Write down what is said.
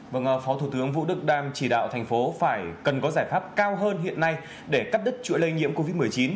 vâng phó thủ tướng vũ đức đam chỉ đạo thành phố phải cần có giải pháp cao hơn hiện nay để cắt đứt chuỗi lây nhiễm covid một mươi chín